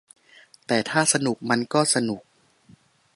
แต่ถ้าสนุกมันก็สนุก